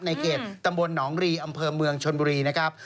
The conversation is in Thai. ในเขตตำบลหนองรีอำเภอเมืองชนบุรีนะครับ